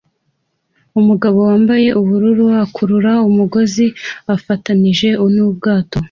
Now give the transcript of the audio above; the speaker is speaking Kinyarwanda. Umugabo wambaye ubururu akurura umugozi ufatanije nubwato